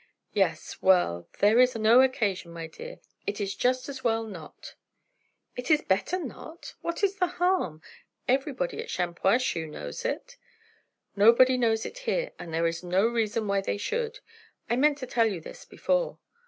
"Yes. Well, there is no occasion, my dear. It is just as well not." "Is it better not? What is the harm? Everybody at Shampuashuh knows it." "Nobody knows it here; and there is no reason why they should. I meant to tell you this before."